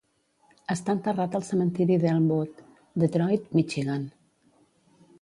Està enterrat al cementiri d'Elmwood, Detroit, Michigan.